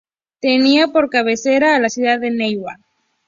Tenía por cabecera a la ciudad de Neiva.